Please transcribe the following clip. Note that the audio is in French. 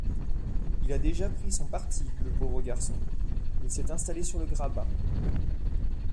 Il a déjà pris son parti le pauvre garçon ; il s'est installé sur le grabat.